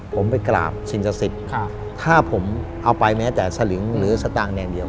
ผมไปกราบสิ่งศักดิ์สิทธิ์ถ้าผมเอาไปแม้แต่สลึงหรือสตางค์แนนเดียว